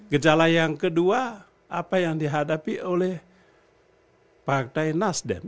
gejala yang kedua apa yang dihadapi oleh partai nasdem